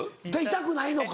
痛くないのか？